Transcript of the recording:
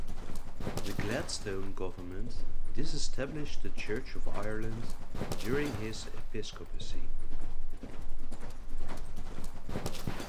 The Gladstone government disestablished the Church of Ireland during his episcopacy.